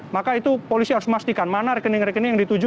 maka itu polisi harus memastikan mana rekening rekening yang dituju